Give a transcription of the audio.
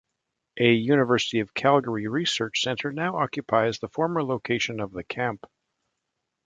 A University of Calgary research centre now occupies the former location of the camp.